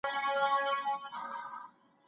چا راوستي وي وزګړي او چا مږونه